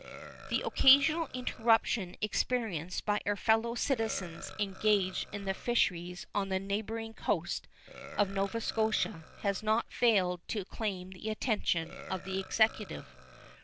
The occasional interruption experienced by our fellow citizens engaged in the fisheries on the neighboring coast of Nova Scotia has not failed to claim the attention of the Executive.